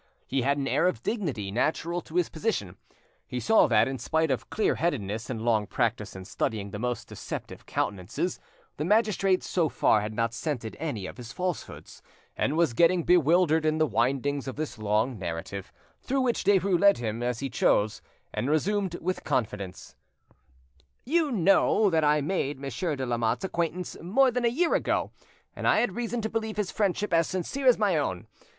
He had an air of dignity natural to his position. He saw that, in spite of clear headedness and long practice in studying the most deceptive countenances, the magistrate so far had not scented any of his falsehoods, and was getting bewildered in the windings of this long narrative, through which Derues led him as he chose; and he resumed with confidence— "You know that I made Monsieur de Lamotte's acquaintance more than a year ago, and I had reason to believe his friendship as sincere as my own.